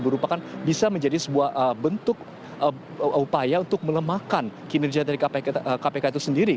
merupakan bisa menjadi sebuah bentuk upaya untuk melemahkan kinerja dari kpk itu sendiri